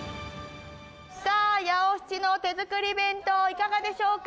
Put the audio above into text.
さあ、ヤオシチの手作り弁当、いかがでしょうか。